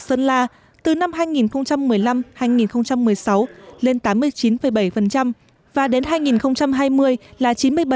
sơn la từ năm hai nghìn một mươi năm hai nghìn một mươi sáu lên tám mươi chín bảy và đến hai nghìn hai mươi là chín mươi bảy